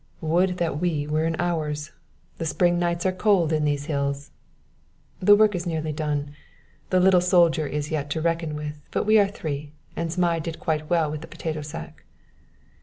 "Would that we were in ours! The spring nights are cold in these hills!" "The work is nearly done. The little soldier is yet to reckon with; but we are three; and Zmai did quite well with the potato sack."